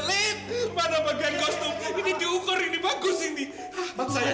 sampai jumpa di video selanjutnya